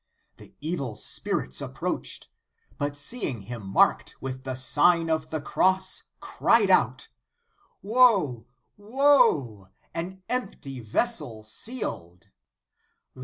The evil spirits approached, but seeing him marked with the Sign of the Cross, cried out: Woe! woe! an empty vessel, sealed!